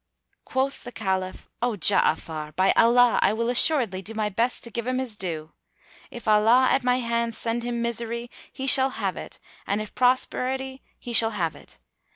Quoth the Caliph, "O Ja'afar, by Allah, I will assuredly do my best to give him his due! If Allah at my hands send him misery, he shall have it; and if prosperity he shall have it."